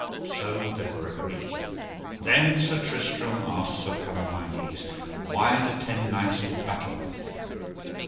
So they were agreed. Then Sir Tristram asked Sir Palomides why the ten knights did battle with him.